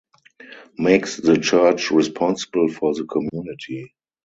Makes the Church responsible for the community.